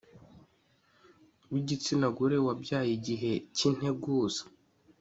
w igitsina gore wabyaye igihe cy integuza